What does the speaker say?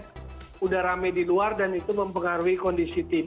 sudah rame di luar dan itu mempengaruhi kondisi tim